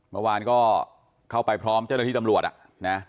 เมื่อวานก็เข้าไปพร้อมเจ้าหน้าที่ตำรวจอ่ะนะ